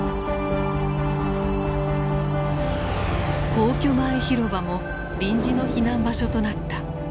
皇居前広場も臨時の避難場所となった。